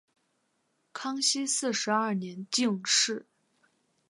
康熙四十二年进士。